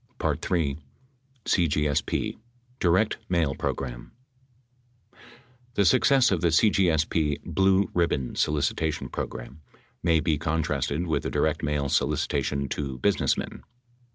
3. CGSP DIRECT MAIL PROGRAM The success of the CGSP "blue ribbon" solicitation program may be contrasted with a direct mail solicitation to businessmen.